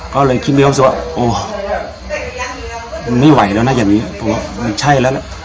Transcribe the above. ก็เลยคิดไม่เข้าใจว่าโอ้ไม่ไหวแล้วนะอย่างนี้ผมว่าไม่ใช่แล้ว